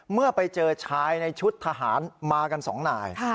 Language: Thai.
เมื่อไปเจอชายในชุดทหารมากันสองนาย